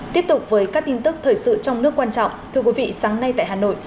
tiếp tục với các tin tức thời sự trong nước quan trọng thưa quý vị sáng nay tại hà nội